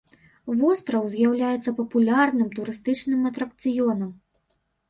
Востраў з'яўляецца папулярным турыстычным атракцыёнам.